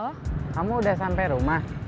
kamu udah sampe rumah